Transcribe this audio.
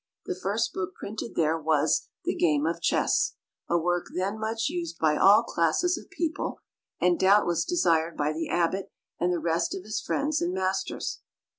The first book printed there was "The Game of Chess," a work then much used by all classes of people, and "doubtless desired by the Abbot, and the rest of his friends and masters."